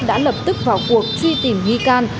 đã lập tức vào cuộc truy tìm nghi can